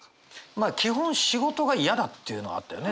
まあ基本仕事が嫌だっていうのはあったよね